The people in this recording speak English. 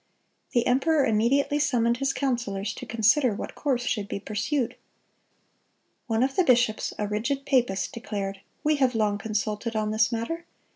The emperor immediately summoned his councilors to consider what course should be pursued. One of the bishops, a rigid papist, declared: "We have long consulted on this matter.